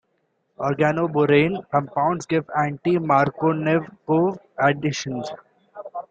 Organoborane compounds give anti-Markovnikov additions.